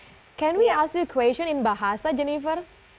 bisa kita tanya anda pertanyaan dalam bahasa jennifer